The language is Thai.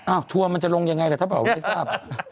อ้าวทัวร์มันจะลงยังไงแหละถ้าบอกว่าไม่ทราบ